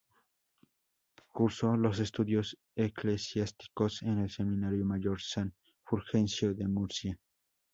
Curso los estudios eclesiásticos en el Seminario Mayor "San Fulgencio“ de Murcia.